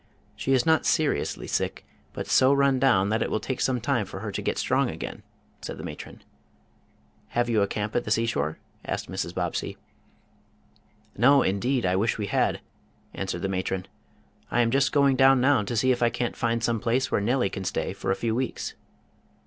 She is not seriously sick, but so run down that it will take some time for her to get strong again," said the matron. "Have you a camp at the seashore?" asked Mrs. Bobbsey. "No; indeed, I wish we had," answered the matron. "I am just going down now to see if I can't find some place where Nellie can stay for a few weeks."